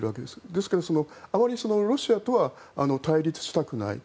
ですから、あまりロシアとは対立したくない。